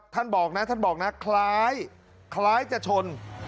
ท่านบอกนะท่านบอกนะคล้ายจะชน